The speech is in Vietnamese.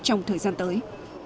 trong thời gian tới